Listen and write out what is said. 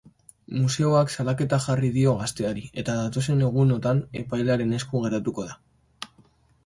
Museoak salaketa jarri dio gazteari, eta datozen egunotan epailearen esku geratuko da.